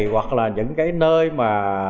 hoặc là những cái nơi mà